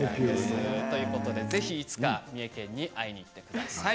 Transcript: ぜひ、いつか三重県に会いに行ってください。